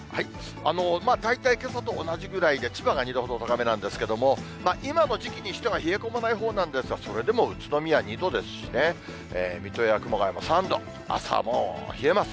大体けさと同じぐらいで千葉が２度ほど高めなんですけども、今の時期にしては冷え込まないほうなんですが、それでも宇都宮２度ですしね、水戸や熊谷も３度、朝はもう冷えます。